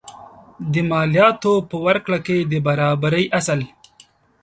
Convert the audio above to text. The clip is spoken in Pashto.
د مالیاتو په ورکړه کې د برابرۍ اصل.